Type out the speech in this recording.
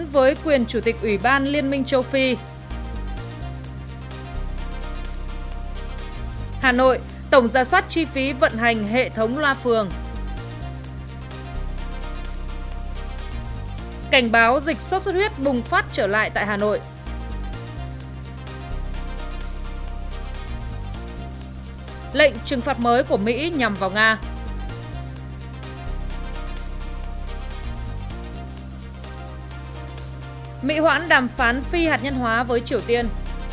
mỹ hoãn đàm phán phi hạt nhân hóa với triều tiên